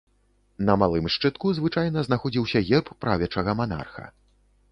На малым шчытку звычайна знаходзіўся герб правячага манарха.